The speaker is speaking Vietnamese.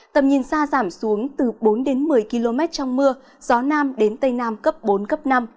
tầm nhìn xa giảm xuống từ bốn đến một mươi km trong mưa gió nam đến tây nam cấp bốn cấp năm